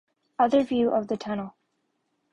Other view of the tunnel.